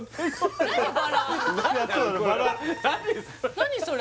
何それ？